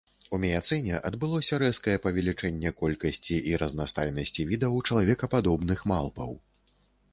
У міяцэне адбылося рэзкае павелічэнне колькасці і разнастайнасці відаў чалавекападобных малпаў.